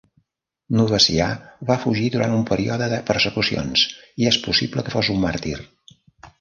Novacià va fugir durant un període de persecucions i és possible que fos un màrtir.